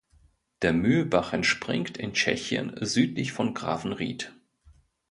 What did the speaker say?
Der Mühlbach entspringt in Tschechien südlich von Grafenried.